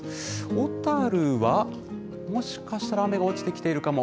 小樽は、もしかしたら雨が落ちてきているかも。